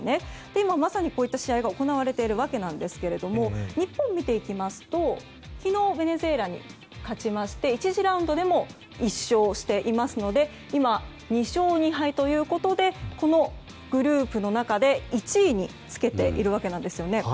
今、まさにこういった試合が行われているわけですが日本を見ていきますと昨日、ベネズエラに勝ちまして１次ラウンドでも１勝していますので今、２勝２敗ということでこのグループの中で１位につけているわけなんです。